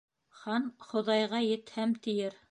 Хан «Хоҙайға етһәм» тиер.